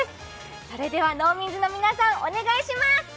それでは、のうみんずの皆さん、お願いします。